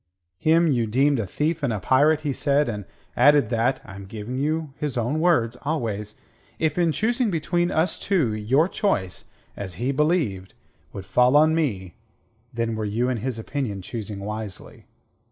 Him you deemed a thief and a pirate, he said, and added that I am giving you his own words always if in choosing between us two, your choice, as he believed, would fall on me, then were you in his opinion choosing wisely.